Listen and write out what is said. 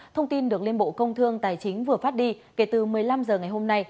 thông tin được liên bộ công thương tài chính vừa phát đi kể từ một mươi năm h ngày hôm nay